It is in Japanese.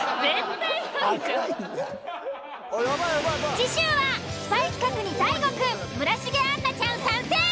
次週はスパイ企画にＤＡＩＧＯくん村重杏奈ちゃん参戦！